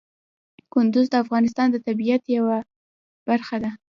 کندهار د افغانستان د طبیعت یوه برخه ده.